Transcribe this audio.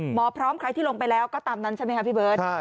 หมอพร้อมใครที่ลงไปแล้วก็ตามนั้นใช่ไหมครับพี่เบิร์ต